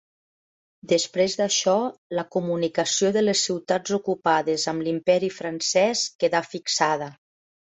Després d’això, la comunicació de les ciutats ocupades amb l’Imperi francès quedà fixada.